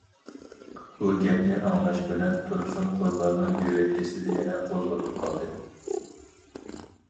بۇ گەپنى ئاڭلاش بىلەن تۇرسۇن قۇرباننىڭ يۈرەك كېسىلى يەنە قوزغىلىپ قالدى.